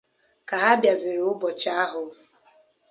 Ka ha bịazịrị ụbọchị ahụ